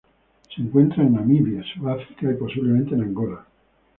Se encuentra en Namibia, Sudáfrica, y posiblemente en Angola.